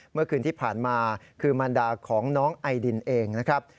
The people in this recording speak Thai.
เมื่อคืนที่ผ่านมาคือมันดาของน้องไอดินเองนะครับ